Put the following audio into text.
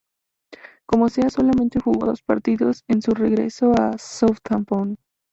Como sea, solamente jugó dos partidos en su regreso al Southampton.